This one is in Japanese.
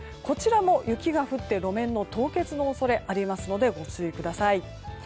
こちらも雪が降って路面の凍結の恐れがありますのでご注意ください。